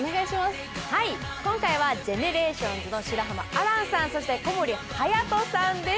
今回はＧＥＮＥＲＡＴＩＯＮＳの白濱亜嵐さんそして小森隼さんです。